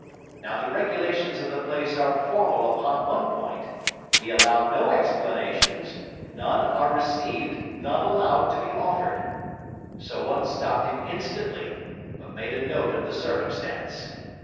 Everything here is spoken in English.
Now the regulations of the place are formal upon one point: we allow no explanations; none are received, none allowed to be offered. So one stopped him instantly; but made a note of the circumstance.